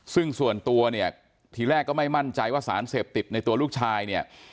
ซึ่งส่วนตัวเนี่ยทีแรกก็ไม่มั่นใจว่าสารเสพติดในตัวลูกชายเนี่ย